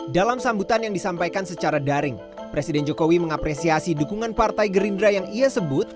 dalam sambutan yang disampaikan secara daring presiden jokowi mengapresiasi dukungan partai gerindra yang ia sebut